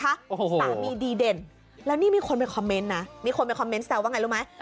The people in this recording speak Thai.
โอ้โหสามีดีเด่นแล้วนี่มีคนไปคอมเมนต์นะมีคนไปคอมเมนต์แซวว่าไงรู้ไหม